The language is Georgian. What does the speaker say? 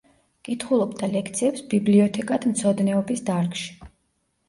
კითხულობდა ლექციებს ბიბლიოთეკათმცოდნეობის დარგში.